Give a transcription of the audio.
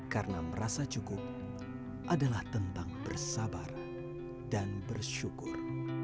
karena merasa cukup adalah tentang bersabar dan bersyukur